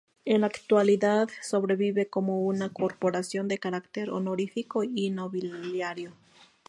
En la actualidad sobrevive como una corporación de carácter honorífico y nobiliario.